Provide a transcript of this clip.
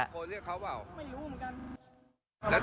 แล้วตะโกเรียกใคร